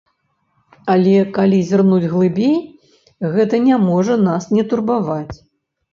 Але, калі зірнуць глыбей, гэта не можа нас не турбаваць.